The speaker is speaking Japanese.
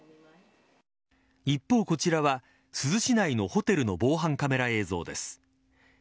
一方、こちらは珠洲市内のホテルの防犯カメラ映像です。